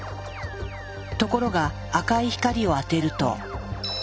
ところが赤い光を当てると。